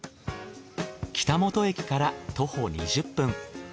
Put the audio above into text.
北本駅から徒歩２０分。